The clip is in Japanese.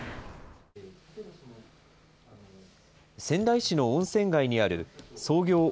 仙台市の温泉街にある創業